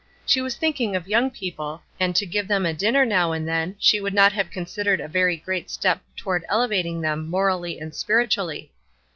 She was thinking of young people, and to give them a dinner now and then, she would not have considered a very great step toward elevating them morally and spiritually.